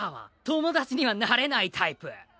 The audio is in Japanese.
友達にはなれないタイプ。